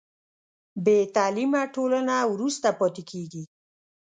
بې تعلیمه ټولنه وروسته پاتې کېږي.